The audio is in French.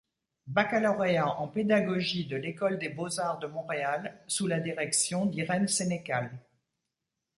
Baccalauréat en pédagogie de l'École des Beaux-Arts de Montréal, sous la direction d'Irène Senécal.